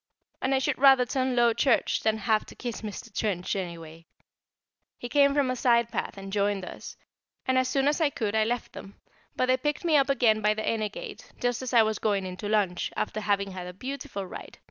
And I should rather turn Low Church than have to kiss Mr. Trench, anyway. He came from a side path and joined us, and as soon as I could I left them; but they picked me up again by the inner gate, just as I was going in to lunch, after having had a beautiful ride.